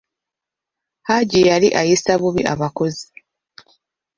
Hajji yali ayisa bubi abakozi.